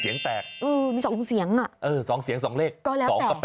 มี๒รุ่นเสียงเออ๒เร่ง๒เลข๒กับ๘